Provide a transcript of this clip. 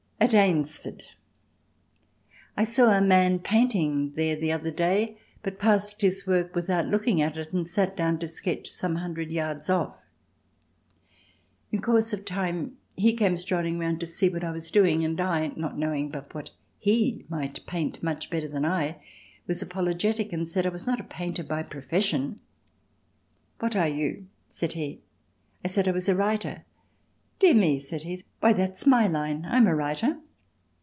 At Eynsford I saw a man painting there the other day but passed his work without looking at it and sat down to sketch some hundred of yards off. In course of time he came strolling round to see what I was doing and I, not knowing but what he might paint much better than I, was apologetic and said I was not a painter by profession. "What are you?" said he. I said I was a writer. "Dear me," said he. "Why that's my line—I'm a writer."